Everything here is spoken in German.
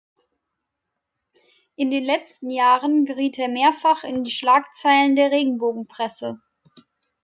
In den letzten Jahren geriet er mehrfach in die Schlagzeilen der Regenbogenpresse.